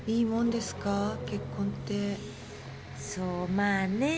まあねえ。